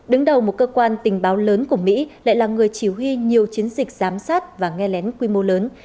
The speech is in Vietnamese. đứng đầu một cơ quan tình báo lớn của mỹ lại là người chỉ huy nhiều chiến dịch giám sát và nghe lén quy mô lớn